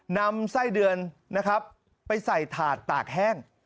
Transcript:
นำไส้เดือนไปใส่ถาดตากแห้ง